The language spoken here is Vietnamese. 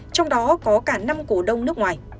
trong đó có cả năm cổ đông nước ngoài